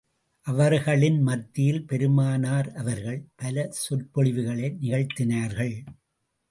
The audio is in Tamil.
அவர்களின் மத்தியில் பெருமானார் அவர்கள், பல சொற்பொழிவுகளை நிகழ்த்தினார்கள்.